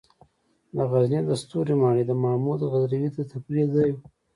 د غزني د ستوري ماڼۍ د محمود غزنوي د تفریح ځای و